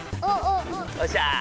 よっしゃー！